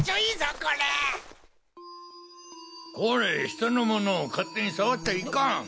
これ人の物を勝手にさわっちゃいかん！